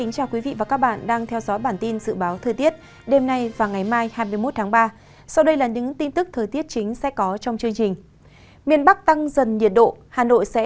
các bạn hãy đăng ký kênh để ủng hộ kênh của chúng mình nhé